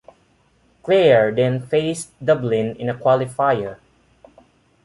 Clare then faced Dublin in a Qualifier.